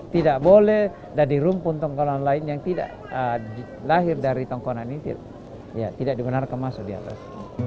tidak boleh dari rumpun tongkonan lain yang tidak lahir dari tongkonan ini tidak di benar benar kemas di atas